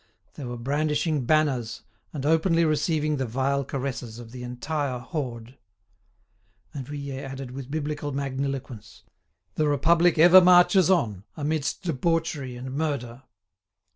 They were brandishing banners, and openly receiving the vile caresses of the entire horde." And Vuillet added, with Biblical magniloquence, "The Republic ever marches on amidst debauchery and murder."